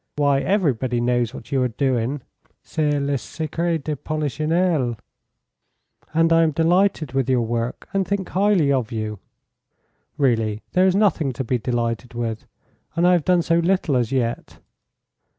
Why, everybody knows what you are doing. C'est le secret de polichinelle. And I am delighted with your work, and think highly of you." "Really, there is nothing to be delighted with; and I have done so little as Yet."